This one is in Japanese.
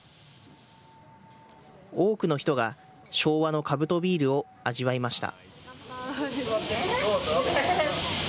多くの人が、昭和のカブトビールを味わいました。